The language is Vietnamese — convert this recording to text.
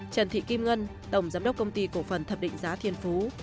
trần thị kim ngân tổng giám đốc công ty cổ phần thẩm định giá thiên phú